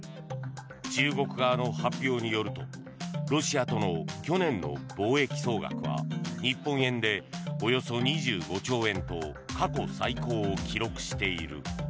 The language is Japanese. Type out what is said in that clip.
中国側の発表によるとロシアとの去年の貿易総額は日本円でおよそ２５兆円と過去最高を記録している。